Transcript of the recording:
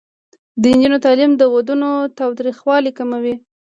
د نجونو تعلیم د ودونو تاوتریخوالی کموي.